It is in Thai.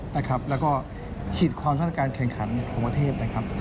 แล้วก็ขิดความสร้างการแข่งขันของประเทศ